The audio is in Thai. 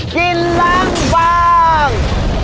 กินร้านบ้าง